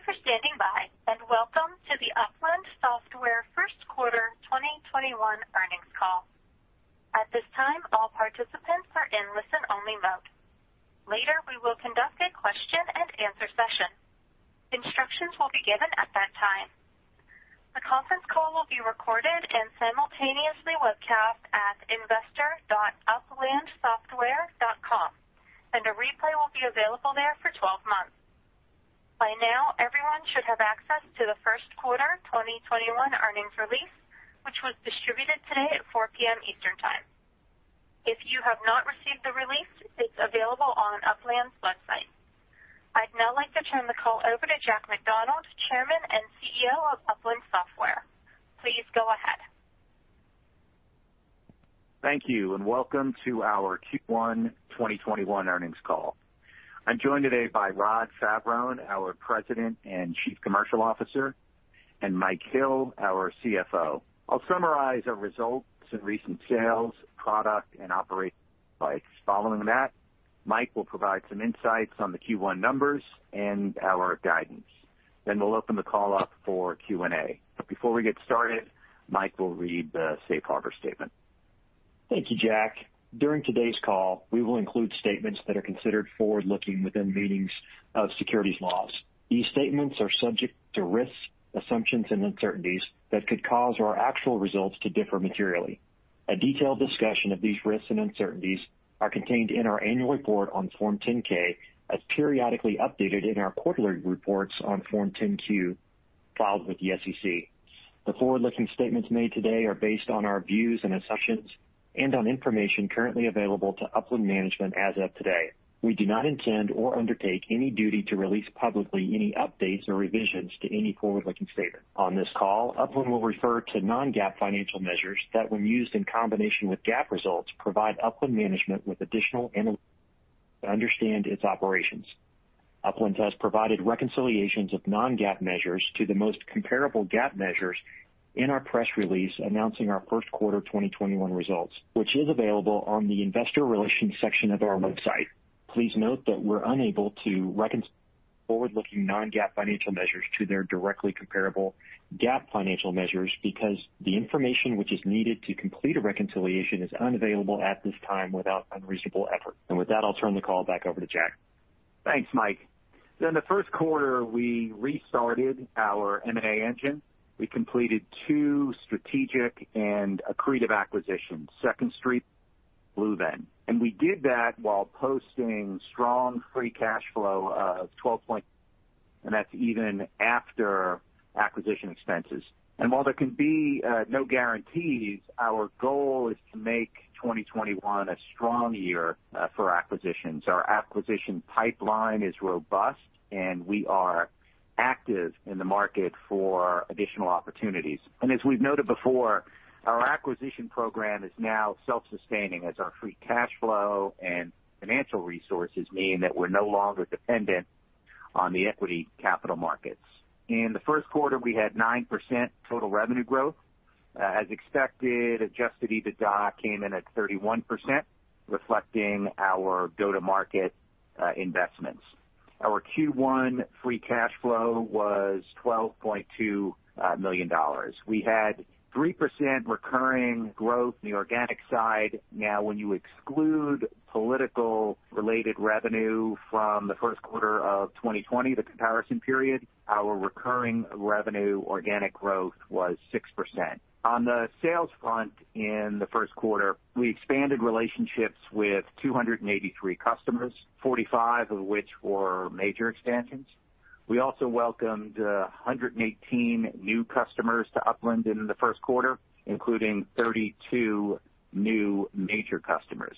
Thank you for standing by, and welcome to the Upland Software first quarter 2021 earnings call. At this time, all participants are in listen-only mode. Later, we will conduct a Q&A session. Instructions will be given at that time. The conference call will be recorded, and simultaneously webcast at investor.uplandsoftware.com, and a replay will be available there for 12 months. By now, everyone should have access to the first quarter 2021 earnings release, which was distributed today at 4:00 P.M. Eastern Time. If you have not received the release, it's available on Upland's website. I'd now like to turn the call over to Jack McDonald, Chairman and CEO of Upland Software. Please go ahead. Thank you. Welcome to our Q1 2021 Earnings Call. I'm joined today by Rod Favaron, our President and Chief Commercial Officer, and Mike Hill, our CFO. I'll summarize our results in recent sales, products, and operations. Following that, Mike will provide some insights on the Q1 numbers and our guidance. We'll open the call up for Q&A. Before we get started, Mike will read the safe harbor statement. Thank you, Jack. During today's call, we will include statements that are considered forward-looking within the meanings of securities laws. These statements are subject to risks, assumptions, and uncertainties that could cause our actual results to differ materially. A detailed discussion of these risks and uncertainties is contained in our annual report on Form 10-K, as periodically updated in our quarterly reports on Form 10-Q filed with the SEC. The forward-looking statements made today are based on our views and assumptions and on information currently available to Upland management as of today. We do not intend or undertake any duty to release publicly any updates or revisions to any forward-looking statement. On this call, Upland will refer to non-GAAP financial measures that, when used in combination with GAAP results, provide Upland management with additional insight to understand its operations. Upland has provided reconciliations of non-GAAP measures to the most comparable GAAP measures in our press release announcing our first quarter 2021 results, which is available on the investor relations section of our website. Please note that we're unable to reconcile forward-looking non-GAAP financial measures to their directly comparable GAAP financial measures because the information which is needed to complete a reconciliation is unavailable at this time without unreasonable effort. With that, I'll turn the call back over to Jack. Thanks, Mike. In the first quarter, we restarted our M&A engine. We completed two strategic and accretive acquisitions, Second Street and BlueVenn. We did that while posting a strong free cash flow of $12.-- That's even after acquisition expenses. While there can be no guarantees, our goal is to make 2021 a strong year for acquisitions. Our acquisition pipeline is robust, and we are active in the market for additional opportunities. As we've noted before, our acquisition program is now self-sustaining as our free cash flow and financial resources mean that we're no longer dependent on the equity capital markets. In the first quarter, we had 9% total revenue growth. As expected, Adjusted EBITDA came in at 31%, reflecting our go-to-market investments. Our Q1 free cash flow was $12.2 million. We had 3% recurring growth on the organic side. Now, when you exclude political-related revenue from the first quarter of 2020, the comparison period, our recurring revenue organic growth was 6%. On the sales front in the first quarter, we expanded relationships with 283 customers, 45 of which were major expansions. We also welcomed 118 new customers to Upland in the first quarter, including 32 new major customers.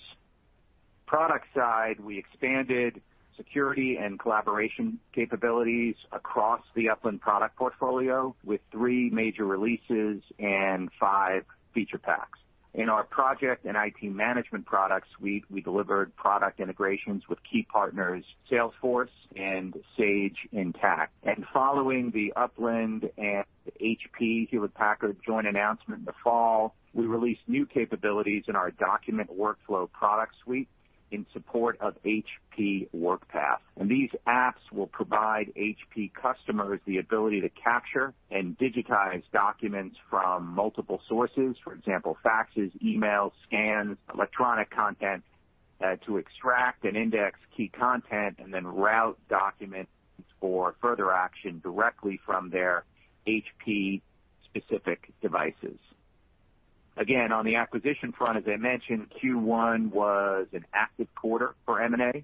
Product side, we expanded security and collaboration capabilities across the Upland product portfolio with three major releases and five feature packs. In our project and IT management product suite, we delivered product integrations with key partners Salesforce and Sage Intacct. Following the Upland and HP, Hewlett-Packard, joint announcement in the fall, we released new capabilities in our document workflow product suite in support of HP Workpath. These apps will provide HP customers the ability to capture and digitize documents from multiple sources, for example, faxes, emails, scans, and electronic content, to extract and index key content, and then route documents for further action directly from their HP-specific devices. On the acquisition front, as I mentioned, Q1 was an active quarter for M&A.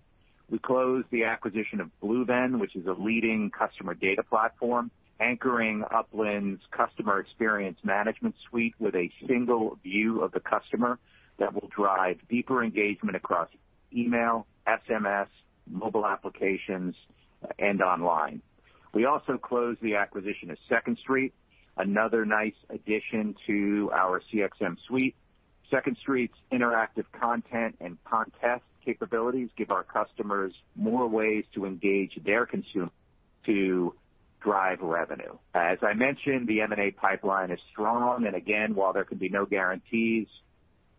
We closed the acquisition of BlueVenn, which is a leading customer data platform, anchoring Upland's customer experience management suite with a single view of the customer that will drive deeper engagement across email, SMS, mobile applications, and online. We also closed the acquisition of Second Street, another nice addition to our CXM suite. Second Street's interactive content and contest capabilities give our customers more ways to engage their consumers to drive revenue. As I mentioned, the M&A pipeline is strong. While there can be no guarantees.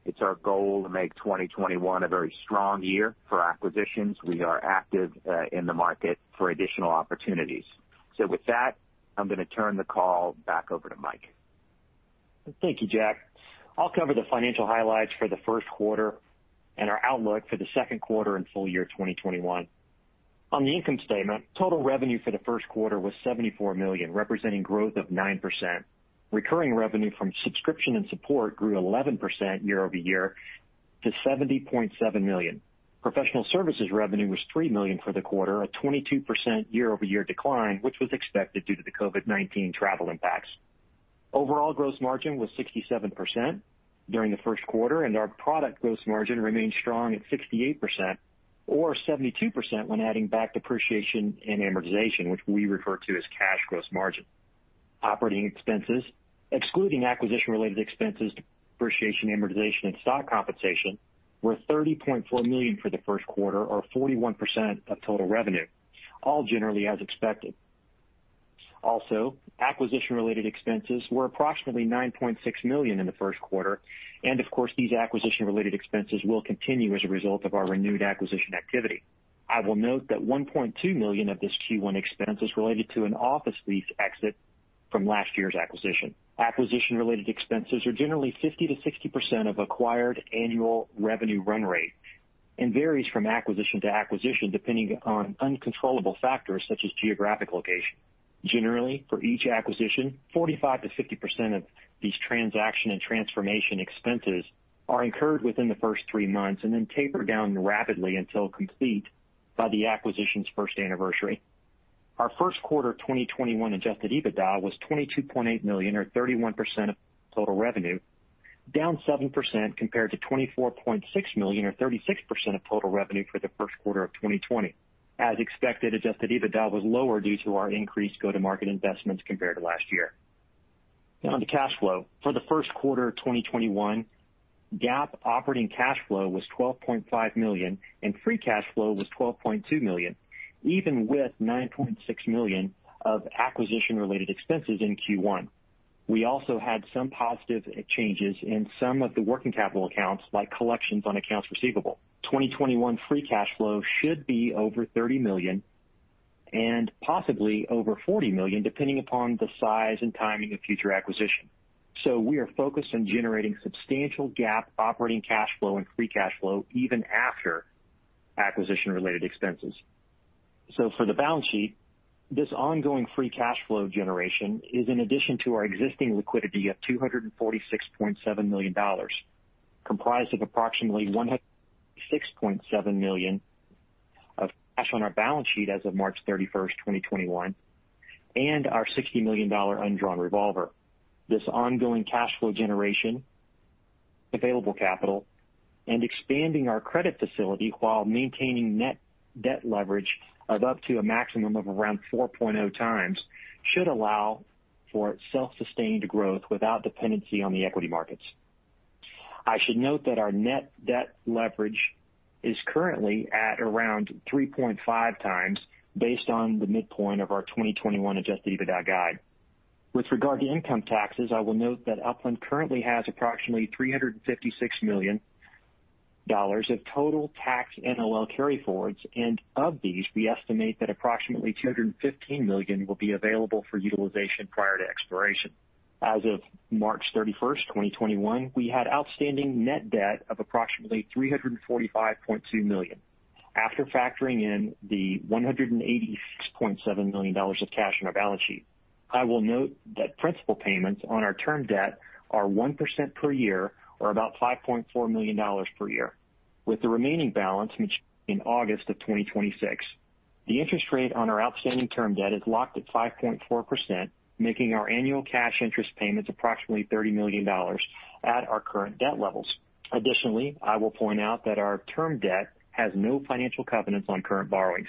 It's our goal to make 2021 a very strong year for acquisitions. We are active in the market for additional opportunities. With that, I'm going to turn the call back over to Mike. Thank you, Jack. I'll cover the financial highlights for the first quarter and our outlook for the second quarter and full-year 2021. On the income statement, total revenue for the first quarter was $74 million, representing growth of 9%. Recurring revenue from subscription and support grew 11% year-over-year to $70.7 million. Professional services revenue was $3 million for the quarter, a 22% year-over-year decline, which was expected due to the COVID-19 travel impacts. Overall gross margin was 67% during the first quarter, and our product gross margin remains strong at 68%, or 72% when adding back depreciation and amortization, which we refer to as cash gross margin. Operating expenses, excluding acquisition-related expenses, depreciation, amortization, and stock compensation, were $30.4 million for the first quarter or 41% of total revenue, all generally as expected. Acquisition-related expenses were approximately $9.6 million in the first quarter, and of course, these acquisition-related expenses will continue as a result of our renewed acquisition activity. I will note that $1.2 million of this Q1 expense was related to an office lease exit from last year's acquisition. Acquisition-related expenses are generally 50%-60% of acquired annual revenue run rate and vary from acquisition to acquisition, depending on uncontrollable factors such as geographic location. Generally, for each acquisition, 45%-50% of these transaction and transformation expenses are incurred within the first three months and then taper down rapidly until complete by the acquisition's first anniversary. Our first quarter 2021 Adjusted EBITDA was $22.8 million or 31% of total revenue, down 7% compared to $24.6 million or 36% of total revenue for the first quarter of 2020. As expected, Adjusted EBITDA was lower due to our increased go-to-market investments compared to last year. On to cash flow. For the first quarter of 2021, GAAP operating cash flow was $12.5 million, and free cash flow was $12.2 million, even with $9.6 million of acquisition-related expenses in Q1. We also had some positive changes in some of the working capital accounts like collections on accounts receivable. 2021 free cash flow should be over $30 million and possibly over $40 million, depending upon the size and timing of future acquisitions. We are focused on generating substantial GAAP operating cash flow and free cash flow even after acquisition-related expenses. For the balance sheet, this ongoing free cash flow generation is in addition to our existing liquidity of $246.7 million, comprised of approximately $106.7 million of cash on our balance sheet as of March 31st, 2021, and our $60 million undrawn revolver. This ongoing cash flow generation, available capital, and expanding our credit facility while maintaining net debt leverage of up to a maximum of around 4.0x, should allow for self-sustained growth without dependency on the equity markets. I should note that our net debt leverage is currently at around 3.5x based on the midpoint of our 2021 Adjusted EBITDA guide. With regard to income taxes, I will note that Upland currently has approximately $356 million of total tax NOL carryforwards, and of these, we estimate that approximately $215 million will be available for utilization prior to expiration. As of March 31st, 2021, we had outstanding net debt of approximately $345.2 million. After factoring in the $186.7 million of cash on our balance sheet, I will note that principal payments on our term debt are 1% per year or about $5.4 million per year, with the remaining balance maturing in August of 2026. The interest rate on our outstanding term debt is locked at 5.4%, making our annual cash interest payments approximately $30 million at our current debt levels. Additionally, I will point out that our term debt has no financial covenants on current borrowings.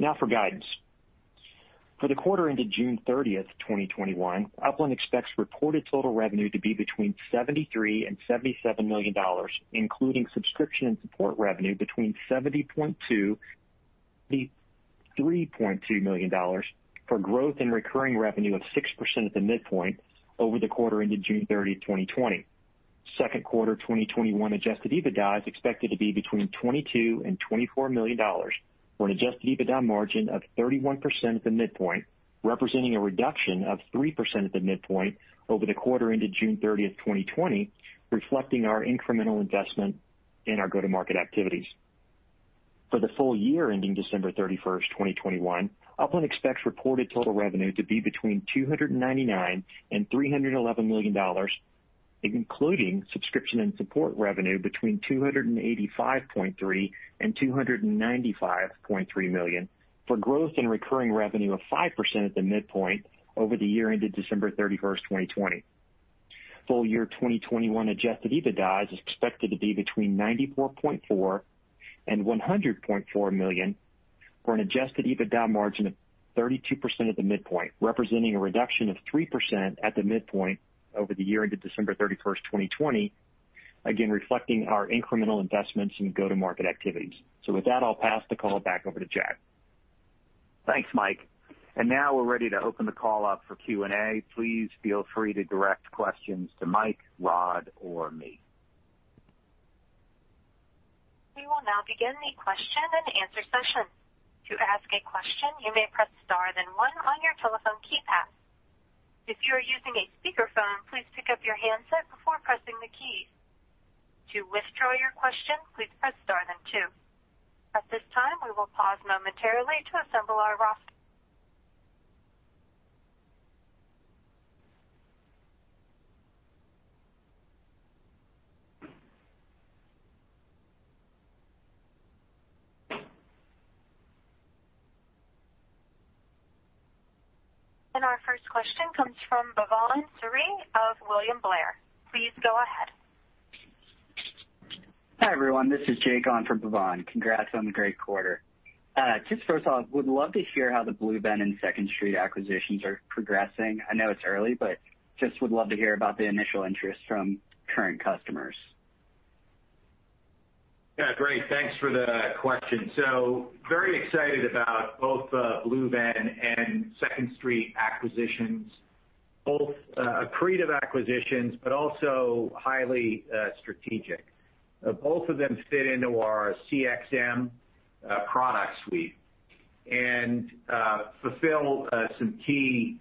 Now for guidance. For the quarter ended June 30th, 2021, Upland expects reported total revenue to be between $73 million and $77 million, including subscription and support revenue between $70.2 million and $73.2 million for growth in recurring revenue of 6% at the midpoint over the quarter ended June 30th, 2020. Second quarter 2021 Adjusted EBITDA is expected to be between $22 million and $24 million, for an Adjusted EBITDA margin of 31% at the midpoint, representing a reduction of 3% at the midpoint over the quarter ended June 30th, 2020, reflecting our incremental investment in our go-to-market activities. For the full-year ending December 31st, 2021, Upland expects reported total revenue to be between $299 million and $311 million, including subscription and support revenue between $285.3 million and $295.3 million, for growth in recurring revenue of 5% at the midpoint over the year ended December 31st, 2020. Full year 2021 Adjusted EBITDA is expected to be between $94.4 million and $100.4 million, for an Adjusted EBITDA margin of 32% at the midpoint, representing a reduction of 3% at the midpoint over the year ended December 31st, 2020, again, reflecting our incremental investments in go-to-market activities. With that, I'll pass the call back over to Jack. Thanks, Mike. Now we're ready to open the call up for Q&A. Please feel free to direct questions to Mike, Rod, or me. We will now begin the question-and-answer session. To ask a question, you may press star one on your telephone keypad. If you are using a speakerphone, please pick up your handset before pressing the keys. To withdraw your question, please press star two. At this time, we will pause momentarily to assemble our roster. Our first question comes from Bhavan Suri of William Blair. Please go ahead. Hi, everyone. This is Jake on for Bhavan. Congrats on the great quarter. Just first off, I would love to hear how the BlueVenn and Second Street acquisitions are progressing. I know it's early, just would love to hear about the initial interest from current customers. Great. Thanks for the question. Very excited about both BlueVenn and Second Street acquisitions. Both accretive acquisitions but also highly strategic. Both of them fit into our CXM product suite and fulfill some key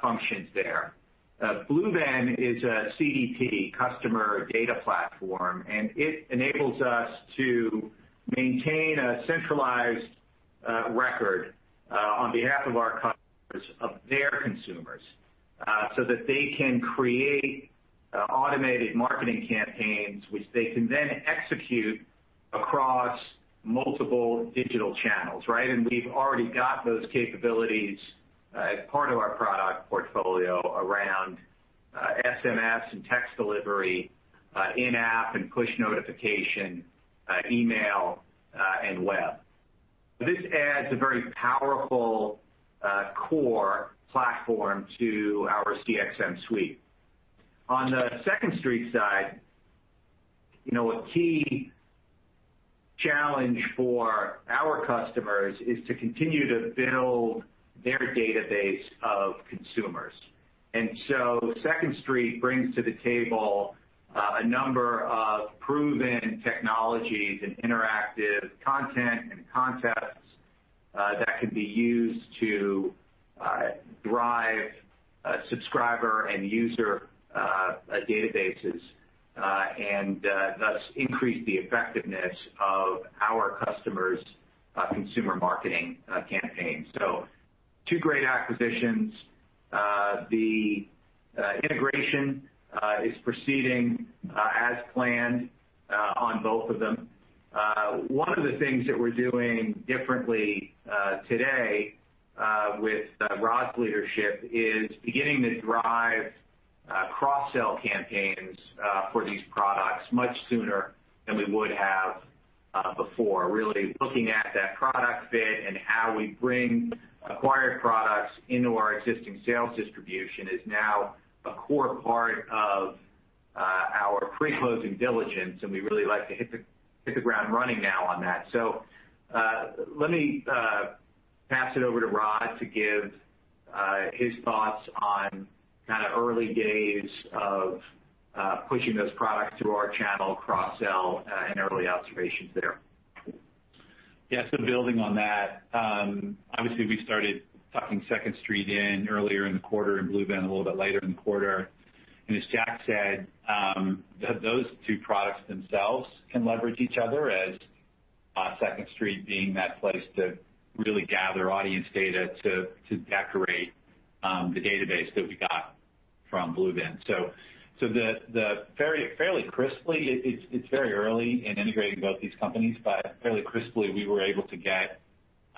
functions there. BlueVenn is a CDP, customer data platform, and it enables us to maintain a centralized record on behalf of our customers of their consumers, so that they can create automated marketing campaigns which they can then execute across multiple digital channels, right? We've already got those capabilities as part of our product portfolio around SMS and text delivery, in-app and push notification, email, and web. This adds a very powerful core platform to our CXM suite. On the Second Street side, a key challenge for our customers is to continue to build their database of consumers. Second Street brings to the table a number of proven technologies and interactive content and concepts that can be used to drive subscriber and user databases and thus increase the effectiveness of our customers' consumer marketing campaigns. Two great acquisitions. The integration is proceeding as planned on both of them. One of the things that we're doing differently today with Rod's leadership is beginning to drive cross-sell campaigns for these products much sooner than we would have before. Really looking at that product fit and how we bring acquired products into our existing sales distribution is now a core part of our pre-closing diligence, and we really like to hit the ground running now on that. Let me pass it over to Rod to give his thoughts on the early days of pushing those products through our channel, cross-sell, and early observations there. Yeah. Building on that, obviously, we started tucking Second Street in earlier in the quarter and BlueVenn a little bit later in the quarter. As Jack said, those two products themselves can leverage each other, as Second Street being that place to really gather audience data to decorate the database that we got from BlueVenn. It's very early in integrating both these companies, but fairly crisply, we were able to get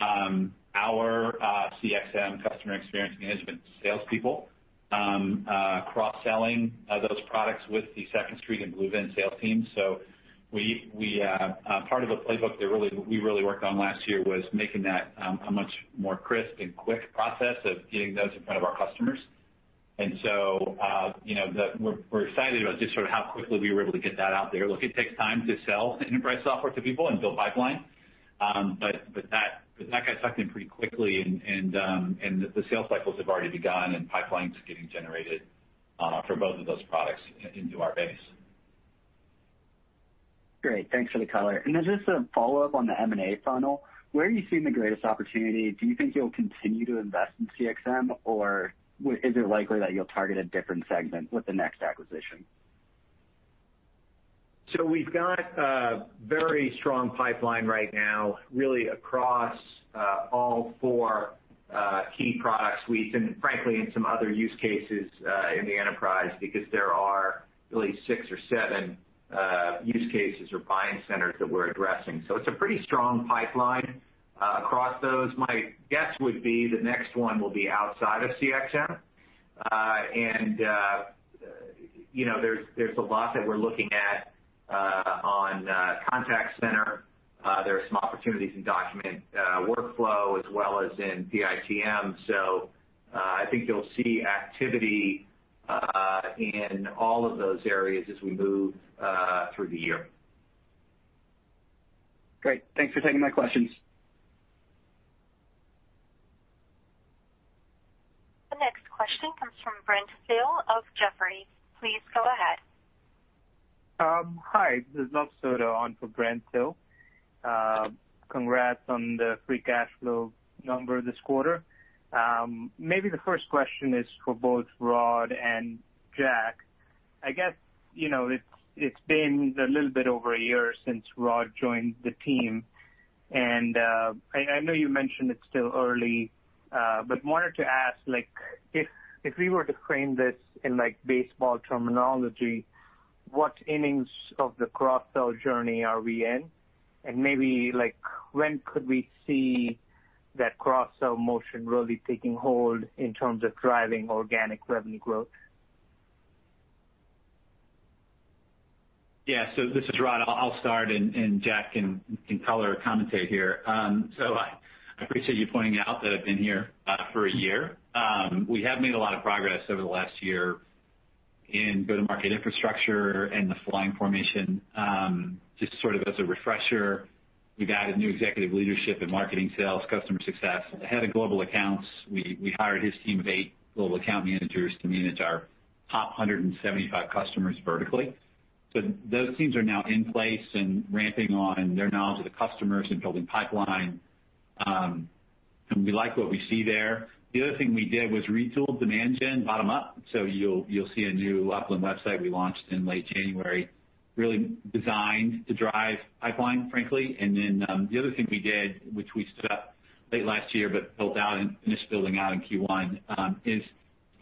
our CXM, customer experience management salespeople, cross-selling those products with the Second Street and BlueVenn sales teams. Part of the playbook that we really worked on last year was making that a much more crisp and quick process of getting those in front of our customers. We're excited about just sort of how quickly we were able to get that out there. Look, it takes time to sell enterprise software to people and build pipeline. That got sucked in pretty quickly and the sales cycles have already begun, and the pipeline's getting generated for both of those products into our base. Great. Thanks for the color. Just a follow-up on the M&A funnel. Where are you seeing the greatest opportunity? Do you think you'll continue to invest in CXM, or is it likely that you'll target a different segment with the next acquisition? We've got a very strong pipeline right now, really across all four key product suites, and frankly, in some other use cases in the enterprise, because there are really six or seven use cases or buying centers that we're addressing. It's a pretty strong pipeline across those. My guess would be the next one will be outside of CXM. There's a lot that we're looking at on contact center. There are some opportunities in document workflow as well as in PITM. I think you'll see activity in all of those areas as we move through the year. Great. Thanks for taking my questions. The next question comes from Brent Thill of Jefferies. Please go ahead. Hi. This is Luv Sodha on for Brent Thill. Congrats on the free cash flow number this quarter. Maybe the first question is for both Rod and Jack. I guess, it's been a little bit over a year since Rod joined the team, and I know you mentioned it's still early, but wanted to ask, if we were to frame this in baseball terminology, what innings of the cross-sell journey are we in? Maybe when could we see that cross-sell motion really taking hold in terms of driving organic revenue growth? Yeah. This is Rod. I will start, and Jack can color or commentary here. I appreciate you pointing out that I have been here for one year. We have made a lot of progress over the last year in go-to-market infrastructure and the flying formation. Just as a refresher, we have added new executive leadership in marketing, sales, customer success. The head of global accounts, we hired his team of eight global account managers to manage our top 175 customers vertically. Those teams are now in place and ramping on their knowledge of the customers and building a pipeline. We like what we see there. The other thing we did was retool demand gen bottom up. You will see a new Upland website we launched in late January, really designed to drive pipeline, frankly. The other thing we did, which we stood up late last year, but built out and finished building out in Q1, is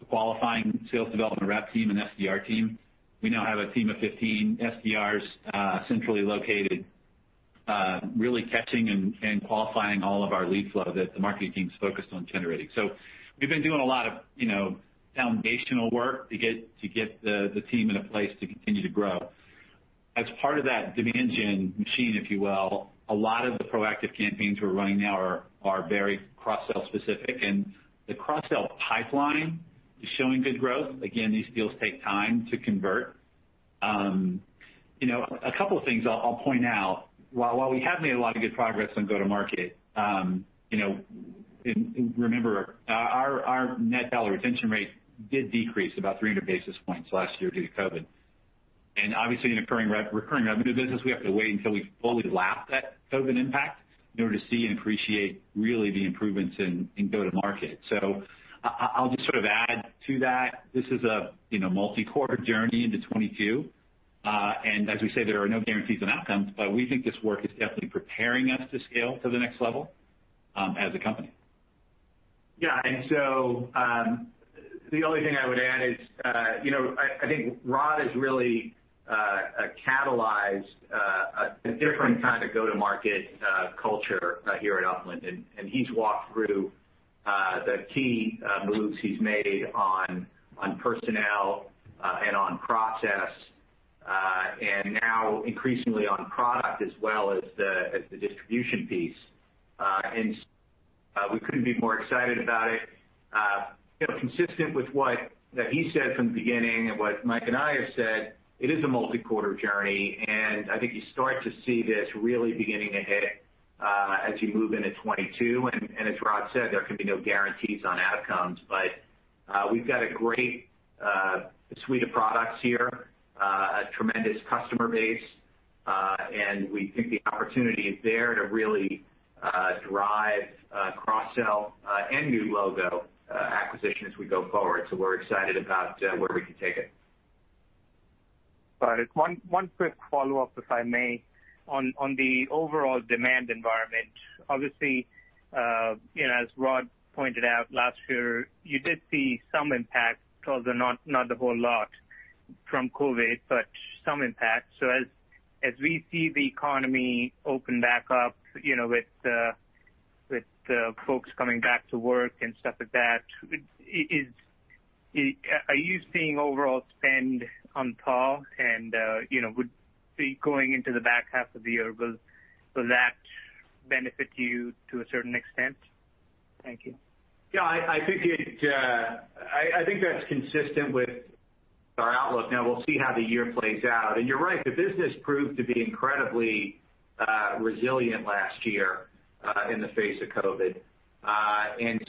qualifying sales development rep team and SDR team. We now have a team of 15 SDRs centrally located, really catching and qualifying all of our lead flow that the marketing team's focused on generating. We've been doing a lot of foundational work to get the team in a place to continue to grow. As part of that demand gen machine, if you will, a lot of the proactive campaigns we're running now are very cross-sell specific, and the cross-sell pipeline is showing good growth. Again, these deals take time to convert. A couple of things I'll point out. While we have made a lot of good progress on go-to-market, remember our net dollar retention rate did decrease about 300 basis points last year due to COVID. Obviously, in recurring revenue business, we have to wait until we fully lap that COVID impact in order to see and appreciate really the improvements in go-to-market. I'll just add to that; this is a multi-quarter journey into 2022. As we say, there are no guarantees on outcomes, but we think this work is definitely preparing us to scale to the next level as a company. The only thing I would add is, I think Rod has really catalyzed a different kind of go-to-market culture here at Upland, and he's walked through the key moves he's made on personnel, and on process, and now increasingly on product as well as the distribution piece. We couldn't be more excited about it. Consistent with what he said from the beginning and what Mike and I have said, it is a multi-quarter journey. I think you start to see this really beginning to hit as you move into 2022. As Rod said, there can be no guarantees on outcomes, but we've got a great suite of products here, a tremendous customer base, and we think the opportunity is there to really drive cross-sell and new logo acquisition as we go forward. We're excited about where we can take it. Got it. One quick follow-up, if I may. On the overall demand environment, obviously, as Rod pointed out, last year, you did see some impact, although not the whole lot from COVID-19, but some impact. As we see the economy open back up with folks coming back to work and stuff like that, are you seeing overall spending on par? Going into the back half of the year, will that benefit you to a certain extent? Thank you. Yeah, I think that's consistent with our outlook. We'll see how the year plays out. You're right, the business proved to be incredibly resilient last year in the face of COVID-19.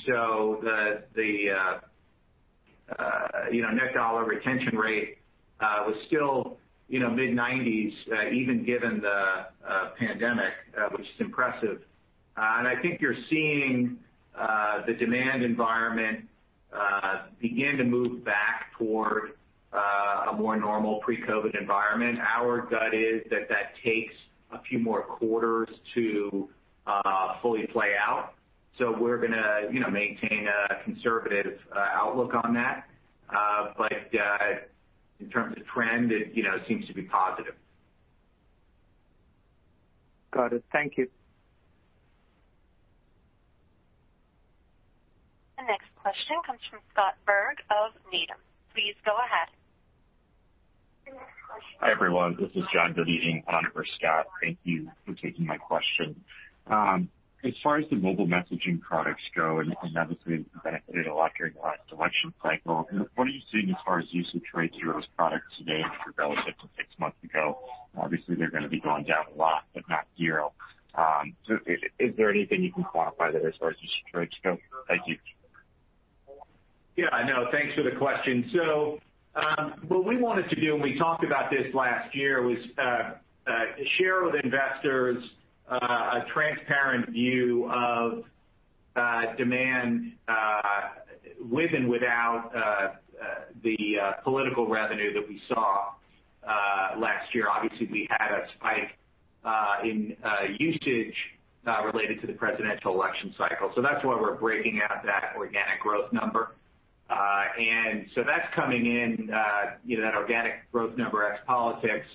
The net dollar retention rate was still mid-90s, even given the pandemic, which is impressive. I think you're seeing the demand environment begin to move back toward a more normal pre-COVID environment. Our gut is that that takes a few more quarters to fully play out, so we're going to maintain a conservative outlook on that. In terms of trend, it seems to be positive. Got it. Thank you. The next question comes from Scott Berg of Needham. Please go ahead. Hi, everyone. This is John Belding, Oppenheimer & Co. Thank you for taking my question. As far as the mobile messaging products go, and obviously, it's benefited a lot during the election cycle, what are you seeing as far as usage rates for those products today relative to six months ago? Obviously, they're going to be going down a lot, but not zero. Is there anything you can quantify there as far as usage rates go? Thank you. Thanks for the question. What we wanted to do, and we talked about this last year, was to share with investors a transparent view of demand with and without the political revenue that we saw last year. Obviously, we had a spike in usage related to the presidential election cycle. That's why we're breaking out that organic growth number. That's coming in, that organic growth number ex politics,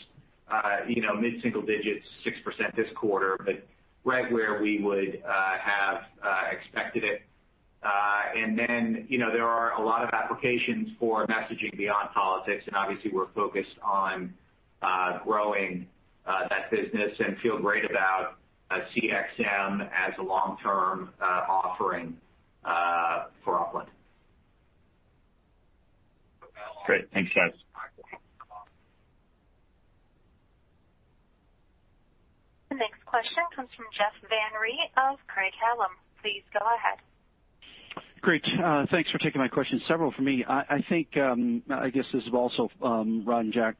mid-single digits, 6% this quarter, but right where we would have expected it. There are a lot of applications for messaging beyond politics, and obviously, we're focused on growing that business and feel great about CXM as a long-term offering for Upland. Great. Thanks, guys. The next question comes from Jeff Van Rhee of Craig-Hallum. Please go ahead. Great. Thanks for taking my question. Several from me. I guess this is also Rod and Jack.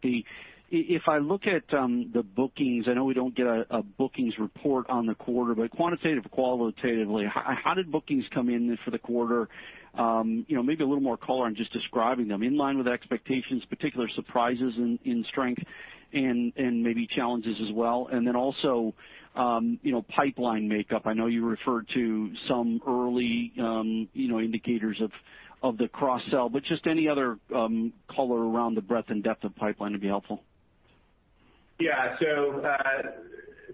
If I look at the bookings, I know we don't get a bookings report on the quarter, but quantitatively or qualitatively, how did bookings come in for the quarter? Maybe a little more color on just describing them, in line with expectations, particular surprises in strength, and maybe challenges as well. Then, also, pipeline makeup. I know you referred to some early indicators of the cross-sell, but just any other color around the breadth and depth of pipeline would be helpful. Yeah.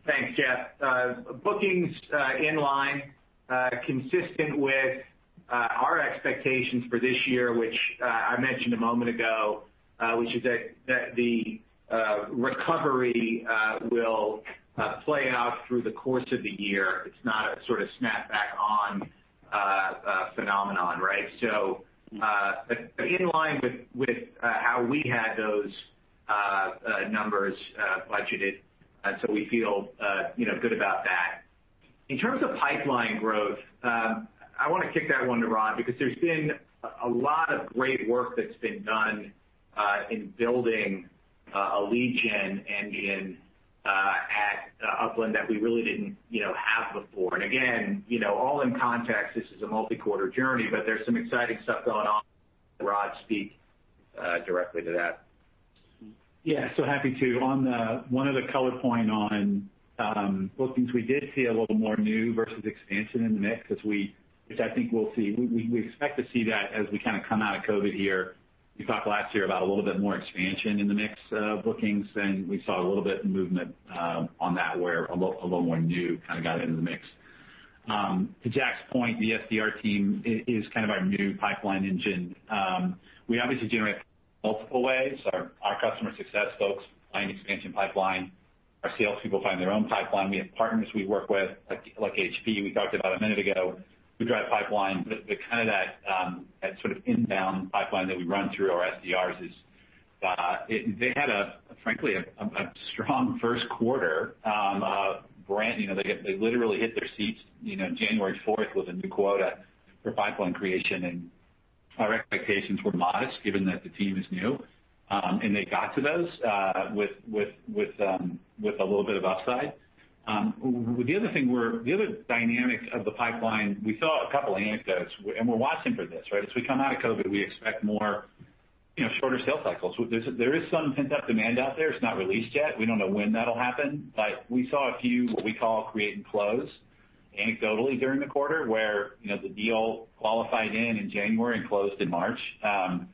Thanks, Jeff. Bookings in line, consistent with our expectations for this year, which I mentioned a moment ago, which is that the recovery will play out through the course of the year. It's not a sort of snap-back phenomenon, right? In line with how we had those numbers budgeted. We feel good about that. In terms of pipeline growth, I want to kick that one to Rod, because there's been a lot of great work that's been done in building a lead-gen engine at Upland that we really didn't have before. Again, all in context, this is a multi-quarter journey, but there's some exciting stuff going on. Rod, speak directly to that. Happy to. On one other color point on bookings, we did see a little more new versus expansion in the mix, which I think we expect to see that as we kind of come out of COVID here. We talked last year about a little bit more expansion in the mix of bookings, we saw a little bit of movement on that, where a little more new kind of got into the mix. To Jack's point, the SDR team is kind of our new pipeline engine. We obviously generate multiple ways. Our customer success folks find expansion pipeline. Our sales people find their own pipeline. We have partners we work with, like HP, we talked about a minute ago, who drive pipeline. That sort of inbound pipeline that we run through our SDRs They had, frankly, a strong first quarter. They literally hit their seats January 4th with a new quota for pipeline creation, our expectations were modest given that the team is new, and they got to those with a little bit of upside. The other dynamics of the pipeline, we saw a couple anecdotes, and we're watching for this, right? As we come out of COVID-19, we expect more shorter sales cycles. There is some pent-up demand out there. It's not released yet. We don't know when that'll happen. We saw a few, what we call create and close, anecdotally during the quarter, where the deal qualified in in January and closed in March,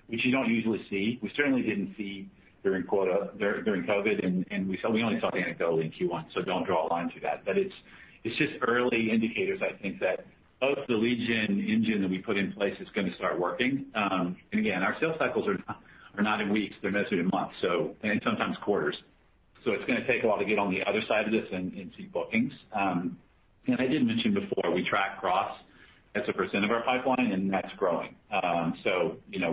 which you don't usually see. We certainly didn't see during COVID-19. We only saw it anecdotally in Q1, so don't draw a line through that. It's just early indicators, I think, that both the lead gen engine that we put in place is going to start working. Again, our sales cycles are not in weeks, they're measured in months, and sometimes quarters. It's going to take a while to get on the other side of this and see bookings. I did mention before, we track cross as a % of our pipeline, and that's growing.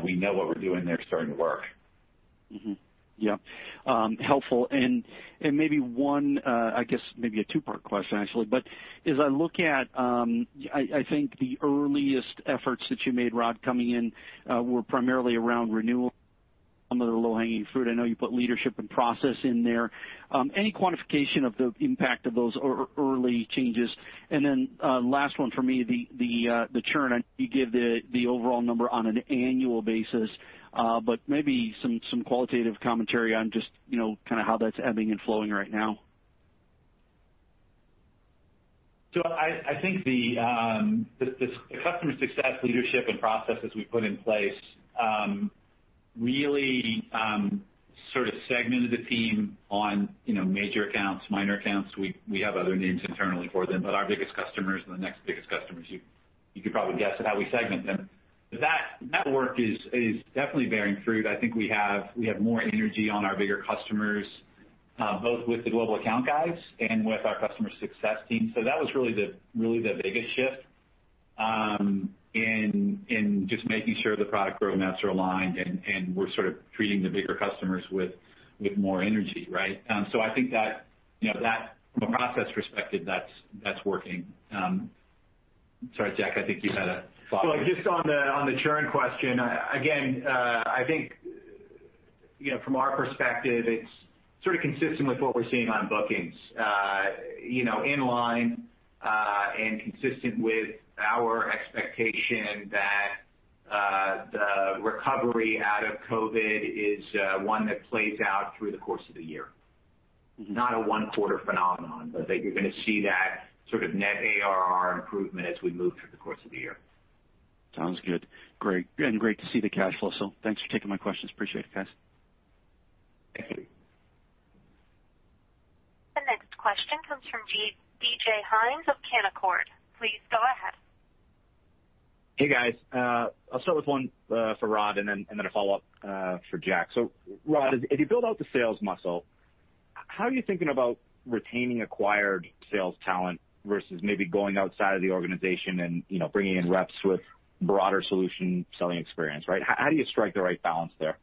We know what we're doing there is starting to work. Yeah. Helpful. Maybe a two-part question, actually. As I look at, I think the earliest efforts that you made, Rod, coming in, were primarily around renewal, some of the low-hanging fruit. I know you put leadership and process in there. Any quantification of the impact of those early changes? Last one from me, the churn. I know you give the overall number on an annual basis, but maybe some qualitative commentary on just kind of how that's ebbing and flowing right now. I think the customer success leadership and processes we put in place really sort of segmented the team on major accounts and minor accounts. We have other names internally for them, but our biggest customers and the next biggest customers, you could probably guess at how we segment them. That work is definitely bearing fruit. I think we have more energy on our bigger customers, both with the global account guys and with our customer success team. That was really the biggest shift in just making sure the product roadmaps are aligned, and we're sort of treating the bigger customers with more energy, right? I think that from a process perspective, that's working. Sorry, Jack, I think you had a follow-up. Well, just on the churn question, again, I think from our perspective, it's sort of consistent with what we're seeing on bookings. In line and consistent with our expectation that the recovery out of COVID is one that plays out through the course of the year. Not a one-quarter phenomenon, but that you're going to see that sort of net ARR improvement as we move through the course of the year. Sounds good. Great. Great to see the cash flow. Thanks for taking my questions. Appreciate it, guys. Thank you. Thank you. The next question comes from DJ Hynes of Canaccord Genuity. Please go ahead. Hey, guys. I'll start with one for Rod and then a follow-up for Jack. Rod, as you build out the sales muscle, how are you thinking about retaining acquired sales talent versus maybe going outside of the organization and bringing in reps with broader solution-selling experience, right? How do you strike the right balance there?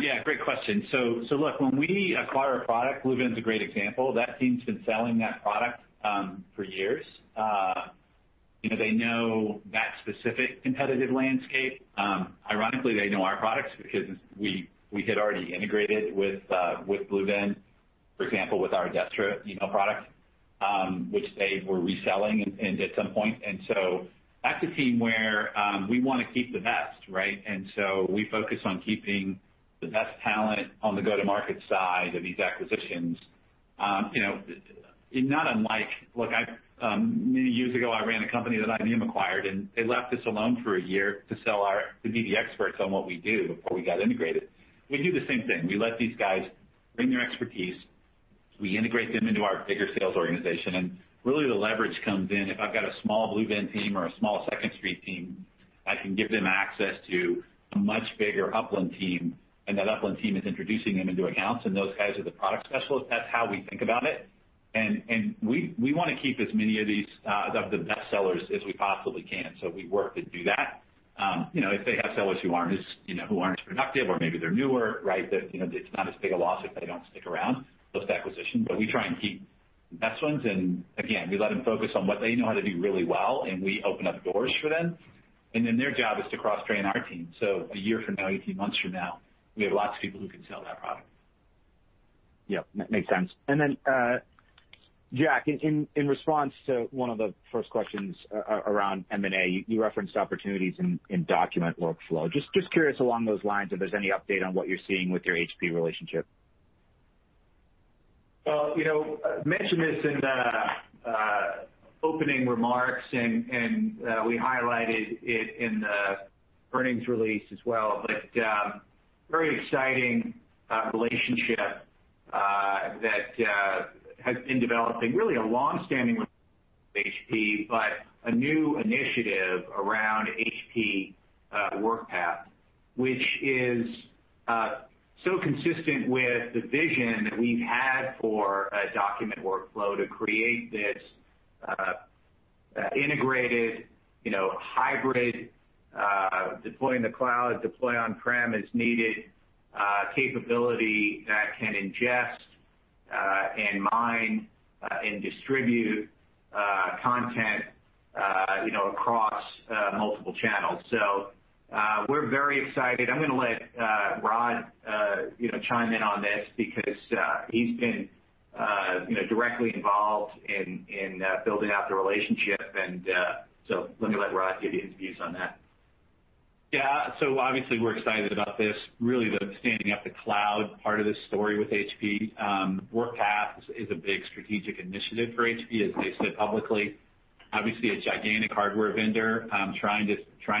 Yeah, great question. Look, when we acquire a product, BlueVenn's a great example. That team's been selling that product for years. They know that specific competitive landscape. Ironically, they know our products because we had already integrated with BlueVenn, for example, with our Adestra email product, which they were reselling and at some point. That's a team where we want to keep the best, right? We focus on keeping the best talent on the go-to-market side of these acquisitions. Many years ago, I ran a company that IBM acquired, and they left us alone for a year to be the experts on what we do before we got integrated. We do the same thing. We let these guys bring their expertise. We integrate them into our bigger sales organization. Really, the leverage comes in if I've got a small BlueVenn team or a small Second Street team, I can give them access to a much bigger Upland team, and that Upland team is introducing them into accounts, and those guys are the product specialists. That's how we think about it. We want to keep as many of the best sellers as we possibly can. We work to do that. If they have sellers who aren't as productive or maybe they're newer, right? That it's not as big a loss if they don't stick around post-acquisition. We try and keep the best ones, and again, we let them focus on what they know how to do really well, and we open up doors for them. Their job is to cross-train our team. A one year from now, 18 months from now, we have lots of people who can sell that product. Yep, makes sense. Jack, in response to one of the first questions around M&A, you referenced opportunities in document workflow. Just curious along those lines if there's any update on what you're seeing with your HP relationship? I mentioned this in the opening remarks, and we highlighted it in the earnings release as well. Very exciting relationship that has been developing, really a longstanding with HP, but a new initiative around HP Workpath, which is so consistent with the vision that we've had for a document workflow to create this integrated, hybrid, deploy in the cloud, deploy on-prem as needed capability that can ingest and mine and distribute content across multiple channels. We're very excited. I'm going to let Rod chime in on this because he's been directly involved in building out the relationship, let me let Rod give you his views on that. Yeah. Obviously, we're excited about this, really the standing up the cloud part of this story with HP Workpath is a big strategic initiative for HP, as they've said publicly. Obviously, a gigantic hardware vendor is trying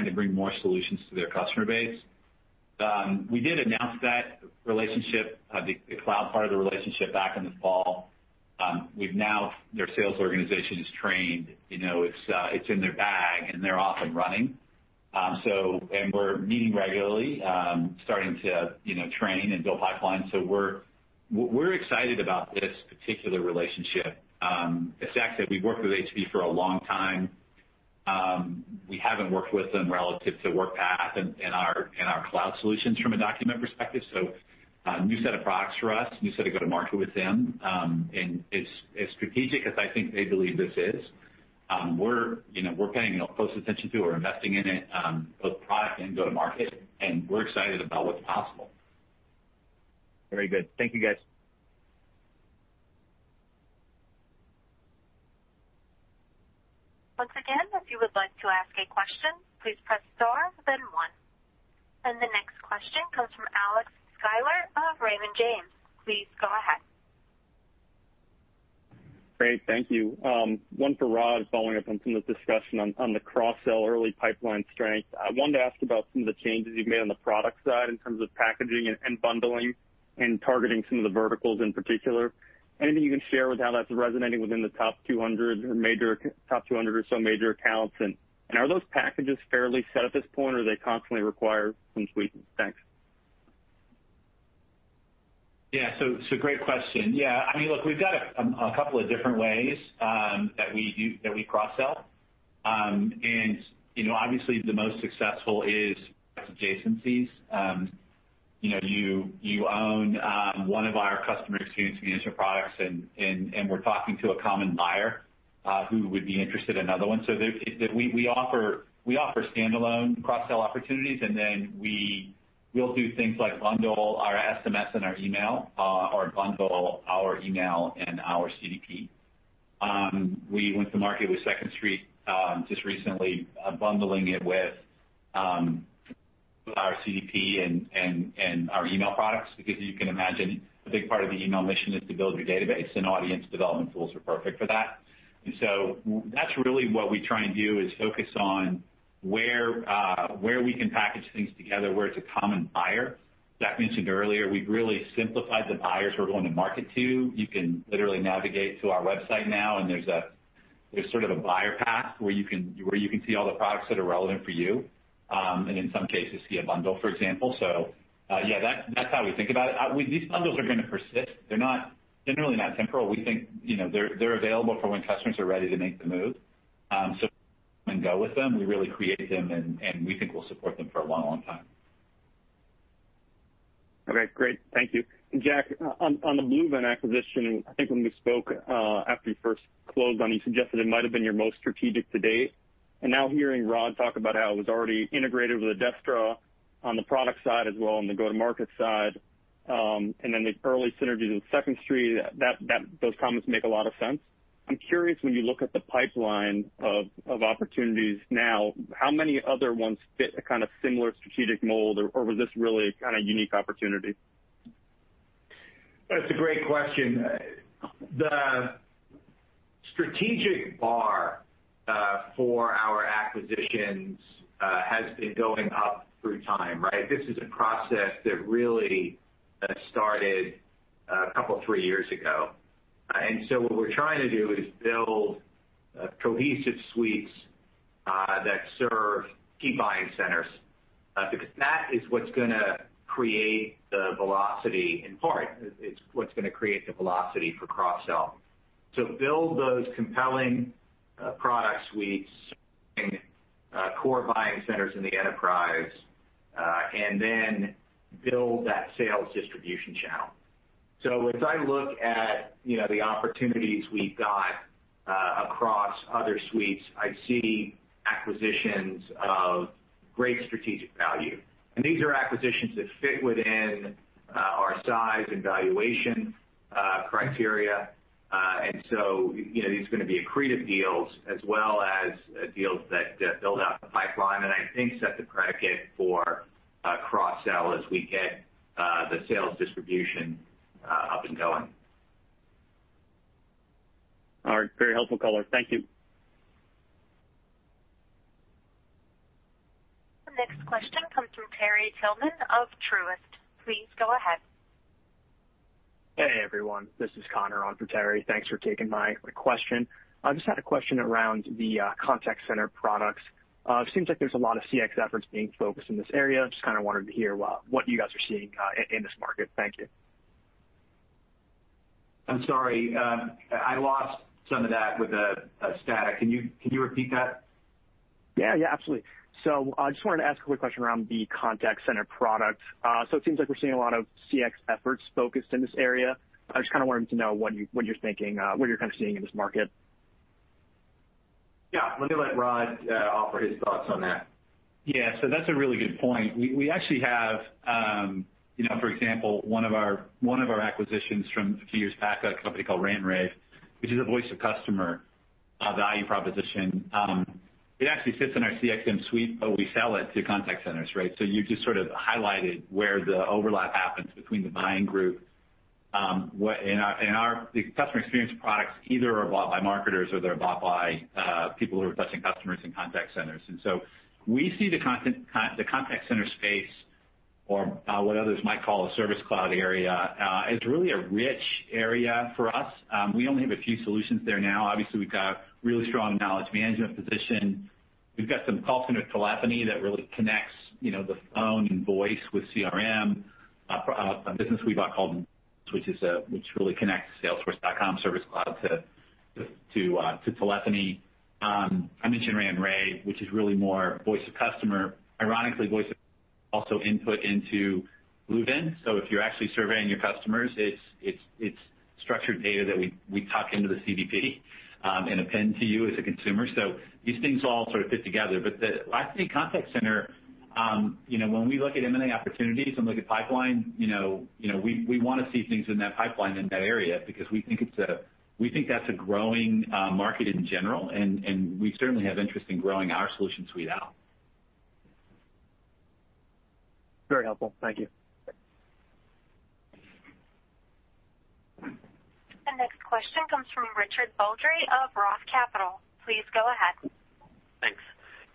to bring more solutions to their customer base. We did announce that relationship, the cloud part of the relationship, back in the fall. Their sales organization is trained. It's in their bag, and they're off and running. We're meeting regularly, starting to train and build pipeline. We're excited about this particular relationship. As Jack said, we've worked with HP for a long time. We haven't worked with them relative to Workpath and our cloud solutions from a document perspective. A new set of products for us, new set of go to market with them. As strategic as I think they believe this is, we're paying close attention to, we're investing in it, both product and go to market, and we're excited about what's possible. Very good. Thank you, guys. Once again, if you would like to ask a question, please press star, then one. The next question comes from Alex Sklar of Raymond James. Please go ahead. Great. Thank you. One for Rod, following up on some of the discussion on the cross-sell early pipeline strength. I wanted to ask about some of the changes you've made on the product side in terms of packaging, bundling, and targeting some of the verticals in particular. Anything you can share with how that's resonating within the top 200 or so major accounts? Are those packages fairly set at this point, or do they constantly require some tweaking? Thanks. Great question. We've got a couple of different ways that we cross-sell. Obviously, the most successful is adjacencies. You own one of our customer experience management products, and we're talking to a common buyer who would be interested in another one. We offer stand-alone cross-sell opportunities. We'll do things like bundle our SMS and our email or bundle our email and our CDP. We went to market with Second Street, just recently, bundling it with our CDP and our email products because you can imagine a big part of the email mission is to build your database, and audience development tools are perfect for that. That's really what we try and do, is focus on where we can package things together, where it's a common buyer. Jack mentioned earlier, we've really simplified the buyers we're going to market to. You can literally navigate to our website now, and there's sort of a buyer path where you can see all the products that are relevant for you, and in some cases, see a bundle, for example. Yeah, that's how we think about it. These bundles are going to persist. They're generally not temporal. We think they're available for when customers are ready to make the move. Come and go with them. We really create them, and we think we'll support them for a long, long time. Okay, great. Thank you. Jack, on the BlueVenn acquisition, I think when we spoke, after you first closed on, you suggested it might've been your most strategic to date. Now hearing Rod talk about how it was already integrated with Adestra on the product side as well, on the go-to-market side, and then the early synergies with Second Street, those comments make a lot of sense. I'm curious, when you look at the pipeline of opportunities now, how many other ones fit a kind of similar strategic mold, or was this really a kind of unique opportunity? That's a great question. The strategic bar for our acquisitions has been going up through time, right? This is a process that really started a couple three years ago. What we're trying to do is build cohesive suites that serve key buying centers, because that is what's going to create the velocity, in part, it's what's going to create the velocity for cross-sell. To build those compelling product suites and core buying centers in the enterprise, and then build that sales distribution channel. As I look at the opportunities, we've got across other suites, I see acquisitions of great strategic value, and these are acquisitions that fit within our size and valuation criteria. These are going to be accretive deals as well as deals that build out the pipeline, and I think set the predicate for a cross-sell as we get the sales distribution up and going. All right. Very helpful color. Thank you. The next question comes from Terry Tillman of Truist. Please go ahead. Hey, everyone. This is Connor on for Terry. Thanks for taking my question. I just had a question about the contact center products. Seems like there's a lot of CX efforts being focused in this area. Just kind of wanted to hear what you guys are seeing in this market. Thank you. I'm sorry. I lost some of that with the static. Can you repeat that? Yeah, absolutely. I just wanted to ask a quick question about the contact center product. It seems like we're seeing a lot of CX efforts focused in this area. I just wanted to know what you're thinking, what you're kind of seeing in this market? Let Rod Favaron offer his thoughts on that. That's a really good point. We actually have, for example, one of our acquisitions from a few years back, a company called Rant & Rave, which is a voice of customer value proposition. It actually sits in our CXM suite, but we sell it to contact centers, right? You've just sort of highlighted where the overlap happens between the buying group and our customer experience products, either are bought by marketers, or they're bought by people who are touching customers in contact centers. We see the contact center space, or what others might call a Service Cloud area, as really a rich area for us. We only have a few solutions there now. Obviously, we've got a really strong knowledge management position. We've got some call center telephony that really connects the phone and voice with CRM, a business we bought called, which really connects Salesforce.com Service Cloud to telephony. I mentioned Rant & Rave, which is really more voice of customer. Ironically, voice of customer is also input into BlueVenn. If you're actually surveying your customers, it's structured data that we tuck into the CDP, and append to you as a consumer. These things all sort of fit together. The last thing, contact center, when we look at M&A opportunities and look at pipeline, we want to see things in that pipeline in that area because we think that's a growing market in general, and we certainly have interest in growing our solution suite out. Very helpful. Thank you. Question comes from Richard Baldry of Roth Capital Partners. Please go ahead. Thanks.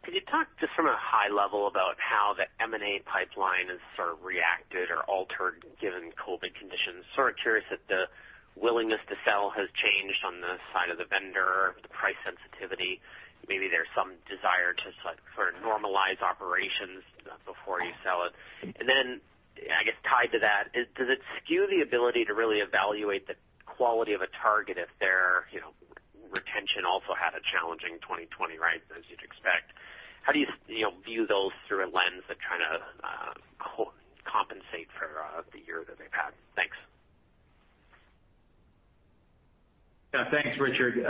Could you talk just from a high level about how the M&A pipeline has sort of reacted or altered given COVID-19 conditions? Sort of curious if the willingness to sell has changed on the side of the vendor, the price sensitivity. Maybe there's some desire to sort of normalize operations before you sell it. I guess tied to that, does it skew the ability to really evaluate the quality of a target if their retention also had a challenging 2020, right, as you'd expect? How do you view those through a lens of trying to compensate for the year that they've had? Thanks. Yeah. Thanks, Richard.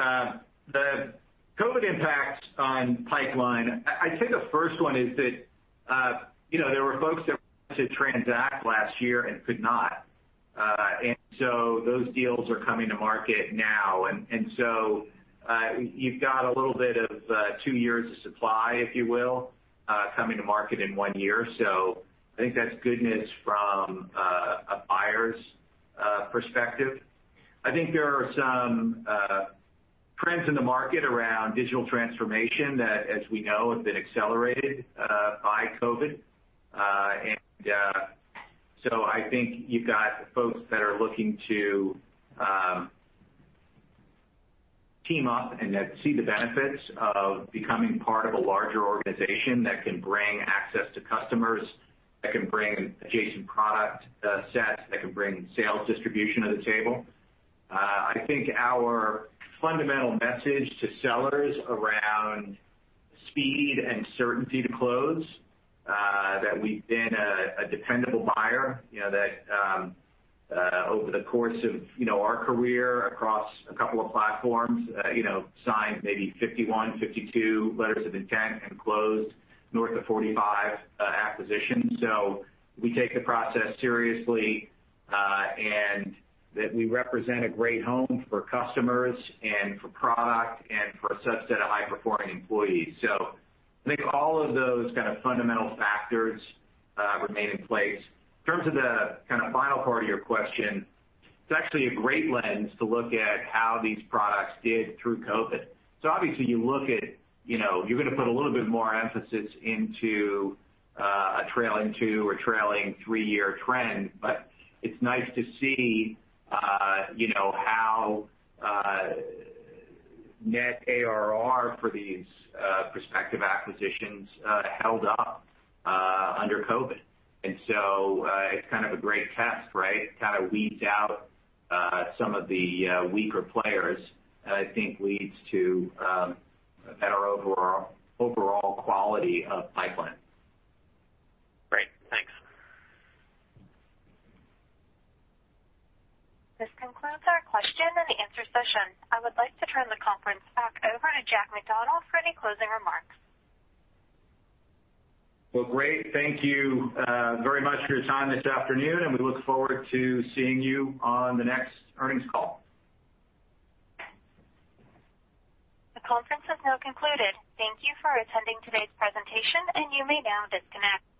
The COVID impact on the pipeline, I think the first one is that there were folks that wanted to transact last year and could not. Those deals are coming to market now. You've got a little bit of two years of supply, if you will, coming to market in one year. I think that's good news from a buyer's perspective. I think there are some trends in the market around digital transformation that, as we know, have been accelerated by COVID. I think you've got folks that are looking to team up and that see the benefits of becoming part of a larger organization that can bring access to customers, that can bring adjacent product sets, that can bring sales distribution to the table. I think our fundamental message to sellers around speed and certainty to close is that we've been a dependable buyer that, over the course of our career across a couple of platforms signed maybe 51, 52 letters of intent and closed north of 45 acquisitions. We take the process seriously, and that we represent a great home for customers and for product and for a subset of high-performing employees. I think all of those kinds of fundamental factors remain in place. In terms of the kind of final part of your question, it's actually a great lens to look at how these products did through COVID. Obviously, you look at, you're going to put a little bit more emphasis into a trailing two or trailing three-year trend, but it's nice to see how net ARR for these prospective acquisitions held up under COVID. It's kind of a great test, right? It kind of weeds out some of the weaker players and I think leads to better overall quality of pipeline. Great. Thanks. This concludes our question-and-answer session. I would like to turn the conference back over to Jack McDonald for any closing remarks. Well, great. Thank you very much for your time this afternoon. We look forward to seeing you on the next earnings call. The conference has now concluded. Thank you for attending today's presentation, and you may now disconnect.